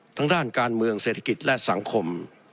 ด้านการเมืองเศรษฐกิจและสังคม